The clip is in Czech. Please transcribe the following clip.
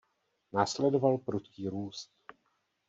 Následoval prudký růst.